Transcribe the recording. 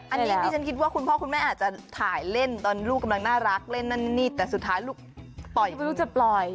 ไอ้ว้มที่ฉันคิดว่าคุณพ่อกุณแม่อาจจะถ่ายเล่นตอนลูกกำลังน่ารักเล่นนั่นนี่แต่สัวโทษลูกปล่อย